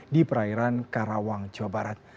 di perairan karawang jawa barat